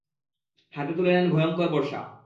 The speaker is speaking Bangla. হাতে তুলে নেন ভয়ংকর বর্শা।